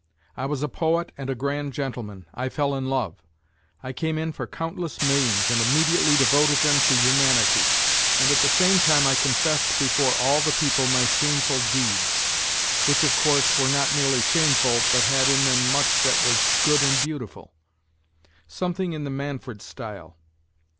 I was a poet and a grand gentleman, I fell in love ; I came in for countless millions and immediately devoted them to humanity, and at the same time I confessed before all the people my shameful deeds, which, of course, were not merely shameful, but had in them much that was " good and beautiful," something in the Manfred style.